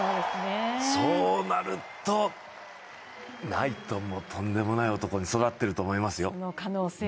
そうなると、ナイトンもとんでもない男に育ってると思いますよ。